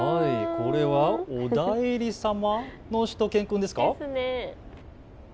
これはお内裏様のしゅと犬くんですか。